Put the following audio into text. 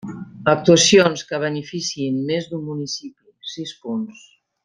Actuacions que beneficiïn més d'un municipi: sis punts.